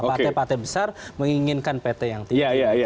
partai partai besar menginginkan pt yang tinggi